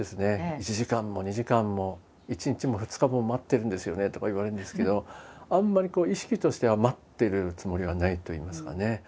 「１時間も２時間も１日も２日も待ってるんですよね」とか言われるんですけどあんまりこう意識としては待ってるつもりはないといいますかね。